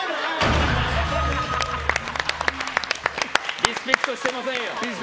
リスペクトしてませんよ。